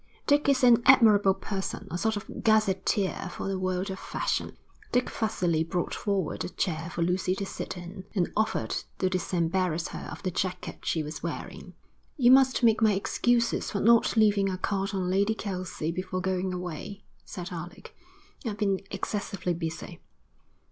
Dick is an admirable person, a sort of gazetteer for the world of fashion.' Dick fussily brought forward a chair for Lucy to sit in, and offered to disembarrass her of the jacket she was wearing. 'You must make my excuses for not leaving a card on Lady Kelsey before going away,' said Alec. 'I've been excessively busy.'